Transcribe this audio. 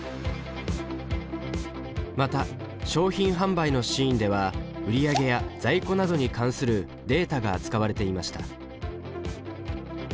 また商品販売のシーンでは売り上げや在庫などに関するデータが扱われていました。